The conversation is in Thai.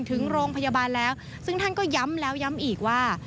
ถึงโรงพยาบาลแล้วซึ่งท่านก็ย้ำแล้วย้ำอีกว่า